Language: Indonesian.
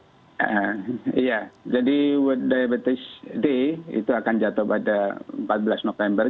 iya jadi world diabetes day itu akan jatuh pada empat belas november